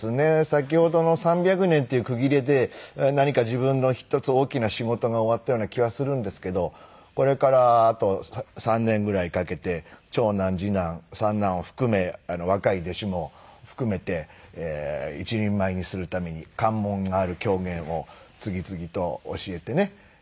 先ほどの３００年っていう区切りで何か自分の一つ大きな仕事が終わったような気はするんですけどこれからあと３年ぐらいかけて長男次男三男を含め若い弟子も含めて一人前にするために関門がある狂言を次々と教えてね。